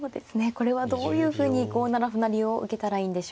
これはどういうふうに５七歩成を受けたらいいんでしょうか。